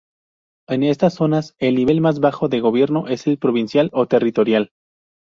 En estas zonas, el nivel más bajo de gobierno es el provincial o territorial.